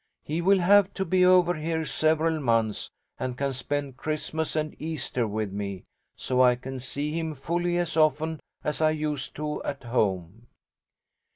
He will have to be over here several months, and can spend Christmas and Easter with me, so I can see him fully as often as I used to at home.